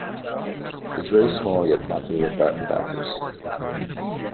It is very small, yet popular with backpackers.